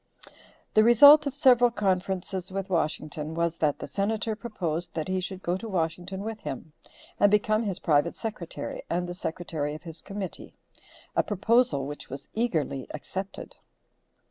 The result of several conferences with Washington was that the Senator proposed that he should go to Washington with him and become his private secretary and the secretary of his committee; a proposal which was eagerly accepted.